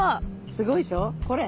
すごいでしょこれ。